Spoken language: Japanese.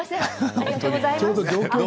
ありがとうございます！